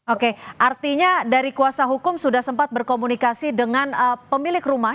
oke artinya dari kuasa hukum sudah sempat berkomunikasi dengan pemilik rumah